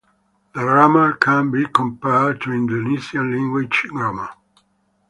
The grammar can be compared to Indonesian language grammar.